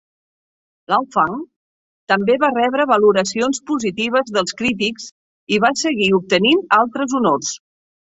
"L'Enfant" també va rebre valoracions positives dels crítics i va seguir obtenint altres honors.